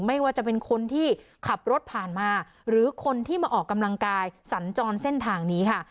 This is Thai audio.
ไม่ว่าจะเป็นคนที่ขับรถผ่านมาหรือคนที่มาออกกำลังกายสัญจรเส้นทางนี้ค่ะ